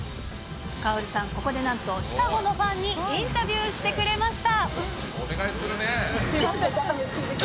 カオルさん、ここでなんと、シカゴのファンにインタビューしてくれました。